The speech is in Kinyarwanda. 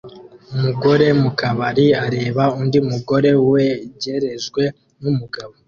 Umugore mukabari areba undi mugore wegerejwe numugabo